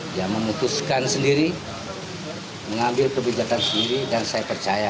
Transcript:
dia memutuskan sendiri mengambil kebijakan sendiri dan saya percaya